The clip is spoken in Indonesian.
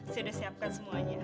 saya udah siapkan semuanya